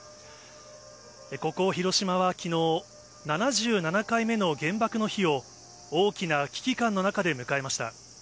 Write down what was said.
ここ広島はきのう、７７回目の原爆の日を大きな危機感の中で迎えました。